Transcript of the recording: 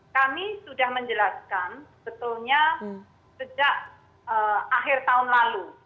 kami sudah menjelaskan sebetulnya sejak akhir tahun lalu